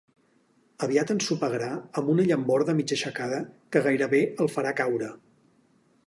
Aviat ensopegarà amb una llamborda mig aixecada que gairebé el farà caure.